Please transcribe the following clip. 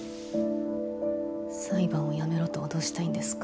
裁判をやめろと脅したいんですか？